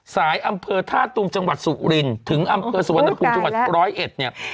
อำเภอท่าตุมจังหวัดสุรินถึงอำเภอสุวรรณภูมิจังหวัดร้อยเอ็ดเนี่ย